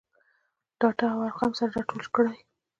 ډاټا او ارقام سره راټول کړي.